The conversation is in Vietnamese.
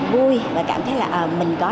vui và cảm thấy là mình có